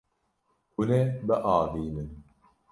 Hûn ê biavînin.